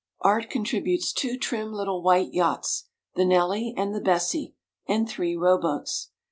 Art contributes two trim little white yachts, "The Nelly" and "The Bessie," and three row boats.